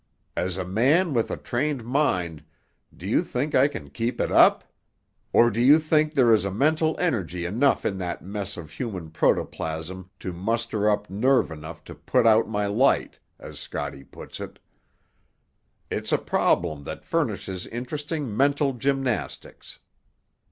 As a man with a trained mind, do you think I can keep it up? Or do you think there is mental energy enough in that mess of human protoplasm to muster up nerve enough to put out my light, as Scotty puts it? It's a problem that furnishes interesting mental gymnastics."